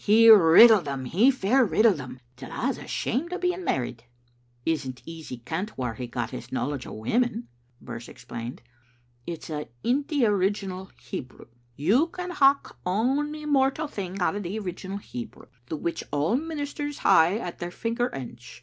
He riddled them, he fair rid dled them, till I was ashamed o' being married." "It's easy kent whaur he got his knowledge of women," Birse explained, "it's a' in the original He brew. You can howk ony mortal thing out o' the original Hebrew, the which all ministers hae at their finger ends.